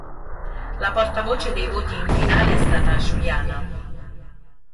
La portavoce dei voti in finale è stata Juliana.